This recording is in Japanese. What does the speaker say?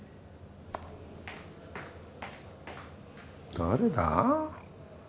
誰だ？